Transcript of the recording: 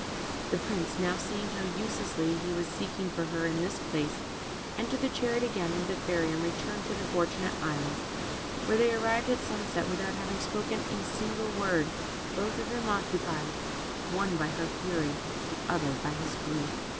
The Prince now, seeing how uselessly he was seeking for her in this place, entered the chariot again with the Fairy, and returned to the Fortunate Isles, where they arrived at sunrise without having spoken a single word, both of them occupied the one by her fury, the other by his grief.